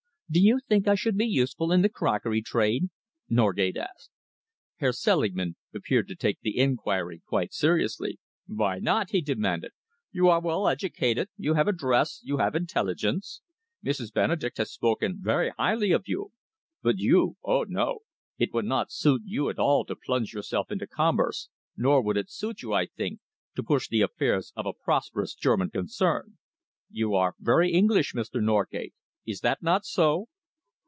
"Do you think I should be useful in the crockery trade?" Norgate asked. Herr Selingman appeared to take the enquiry quite seriously. "Why not?" he demanded. "You are well educated, you have address, you have intelligence. Mrs. Benedek has spoken very highly of you. But you oh, no! It would not suit you at all to plunge yourself into commerce, nor would it suit you, I think, to push the affairs of a prosperous German concern. You are very English, Mr. Norgate, is that not so?"